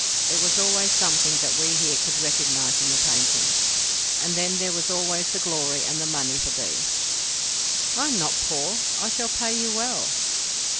It was always something that we here could recognise in the paintings. And then there was always the glory and the money for thee." "I am not poor—I shall pay you well."